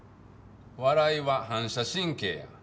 笑いは反射神経や。